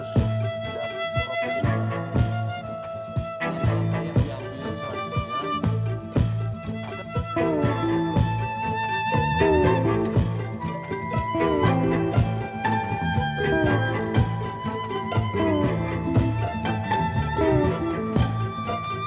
sejarah sekaligus serius